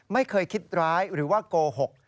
ไม่เคยคิดร้ายหรือว่าโกหก